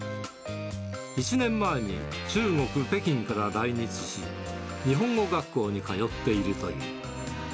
１年前に中国・北京から来日し、日本語学校に通っているという。